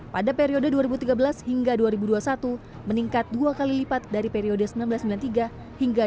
pada periode dua ribu tiga belas hingga dua ribu dua puluh satu meningkat dua kali lipat dari periode seribu sembilan ratus sembilan puluh tiga hingga dua ribu dua puluh